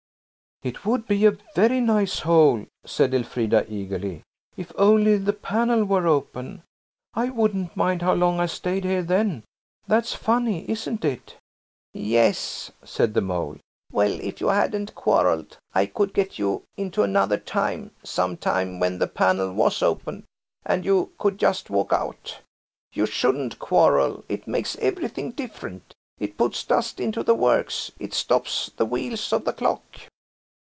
"It would be a very nice hole," said Elfrida eagerly, "if only the panel were open. I wouldn't mind how long I stayed here then. That's funny, isn't it?" "Yes," said the Mole. "Well, if you hadn't quarrelled I could get you into another time–some time when the panel was open–and you could just walk out. You shouldn't quarrel. It makes everything different. It puts dust into the works. It stops the wheels of the clock."